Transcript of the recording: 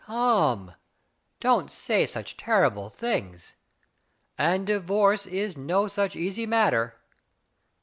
"Come, don't Say such terrible things. And divorce is no such easy matter."